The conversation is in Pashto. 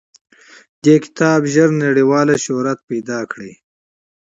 دې کتاب ژر نړیوال شهرت وموند.